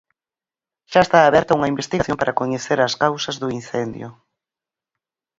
Xa está aberta unha investigación para coñecer as causas do incendio.